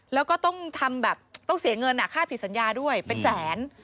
แล้วก็ต้องเสียเงินค่าผิดสัญญาด้วยเป็นแสน